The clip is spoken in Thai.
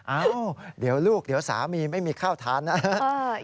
เอ้าเดี๋ยวลูกเดี๋ยวสามีไม่มีข้าวทานนะครับ